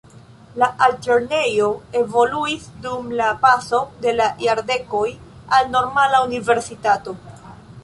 La altlernejo evoluis dum la paso de la jardekoj al normala universitato.